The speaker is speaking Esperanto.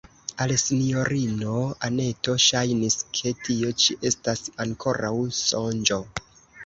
Al sinjorino Anneto ŝajnis, ke tio ĉi estas ankoraŭ sonĝo.